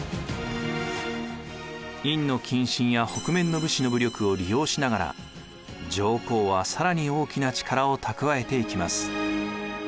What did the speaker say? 院近臣や北面の武士の武力を利用しながら上皇は更に大きな力を蓄えていきます。